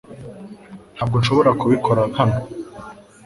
Ntabwo nshobora kubikora hano .